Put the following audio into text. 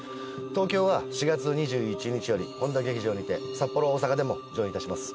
東京は４月２１日より本田劇場にて札幌大阪でも上演いたします